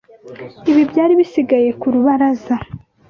Ibi byari bisigaye ku rubaraza.